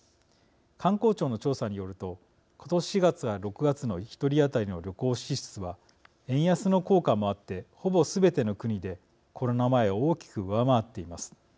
観光庁の調査によると今年４月から６月の１人当たりの旅行支出は円安の効果もあってほぼすべての国でコロナ前を大きく上回っています。